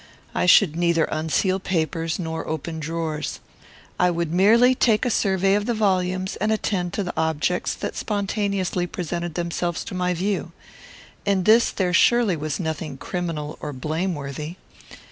I should neither unseal papers nor open drawers. I would merely take a survey of the volumes and attend to the objects that spontaneously presented themselves to my view. In this there surely was nothing criminal or blameworthy.